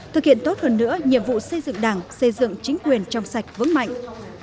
thực hiện tốt hơn nữa nhiệm vụ xây dựng đảng xây dựng chính quyền trong sạch vững mạnh